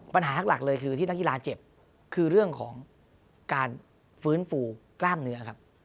ปัญหาหลักเลยคือที่นักกีฬาเจ็บคือเรื่องของการฟื้นฟูกล้ามเนื้อครับ